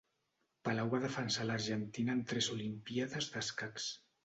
Palau va defensar l'Argentina en tres Olimpíades d'escacs.